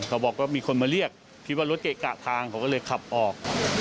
เขาบอกว่ามีคนมาเรียกคิดว่ารถเกะกะทางเขาก็เลยขับออก